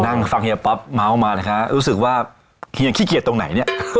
นั่งฟังเฮียป๊อปเมาส์มานะคะรู้สึกว่าเฮียขี้เกียจตรงไหนเนี่ย